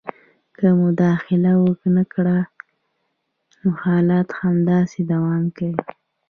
که مداخله ونه کړي او حالات همداسې دوام کوي